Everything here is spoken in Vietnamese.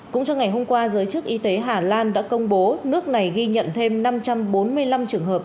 cũng trong ngày hôm qua giới chức y tế hà lan đã công bố nước này ghi nhận thêm năm trăm bốn mươi năm trường hợp